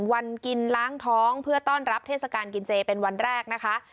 วันกินล้างท้องเพื่อต้อนรับเทศกาลกินเจเป็นวันแรกนะคะ